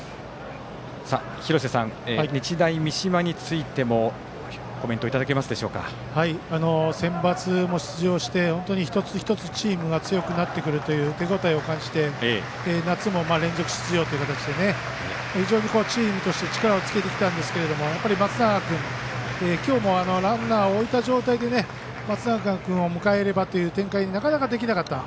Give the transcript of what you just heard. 廣瀬さん、日大三島についてもコメントをセンバツも出場して一つ一つチームが強くなってくるという手応えを感じて夏も連続出場という形で非常にチームとして力をつけてきたんですけど松永君、今日もランナーを置いた状態で松永君を迎えればという展開になかなかできなかった。